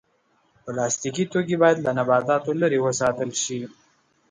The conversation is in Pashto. پلاستيکي توکي باید له نباتاتو لرې وساتل شي.